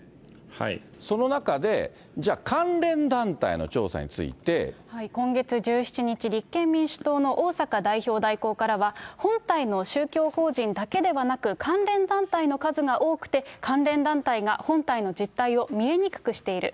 その中で、じゃあ、今月１７日、立憲民主党の逢坂代表代行からは、本体の宗教法人だけではなく、関連団体の数が多くて、関連団体が本体の実態を見えにくくしている。